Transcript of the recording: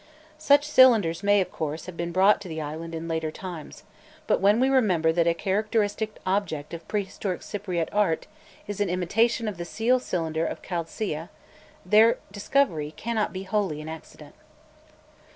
Such cylinders may, of course, have been brought to the island in later times; but when we remember that a characteristic object of prehistoric Cypriote art is an imitation of the seal cylinder of Chaldsea, their discovery cannot be wholly an accident.